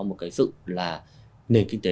một cái sự là nền kinh tế